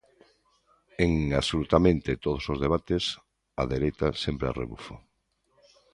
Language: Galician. En absolutamente todos os debates, a dereita sempre a rebufo.